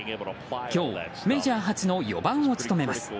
今日、メジャー初の４番を務めます。